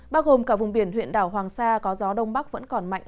bao gồm cả vùng biển huyện đảo hoàng sa có gió đông bắc vẫn còn mạnh